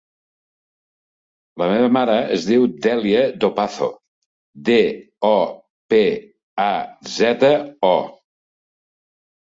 La meva mare es diu Dèlia Dopazo: de, o, pe, a, zeta, o.